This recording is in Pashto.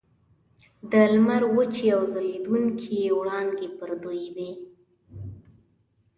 د لمر وچې او ځلیدونکي وړانګې پر دوی وې.